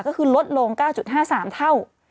ก็คือลดลง๙๕๓เท่า